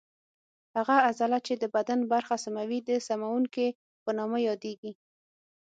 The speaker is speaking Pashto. هغه عضله چې د بدن برخه سموي د سموونکې په نامه یادېږي.